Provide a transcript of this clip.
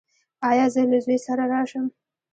ایا زه له زوی سره راشم؟